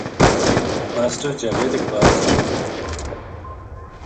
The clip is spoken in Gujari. ماسٹر جاوید اقبال جہلم